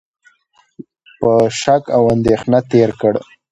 په شک او اندېښنه تېر کړ،